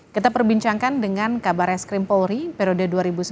kita perbincangkan dengan kabar es krim polri periode dua ribu sembilan belas dua ribu